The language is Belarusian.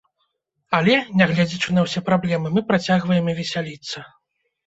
Але, нягледзячы на ўсе праблемы, мы працягваем і весяліцца.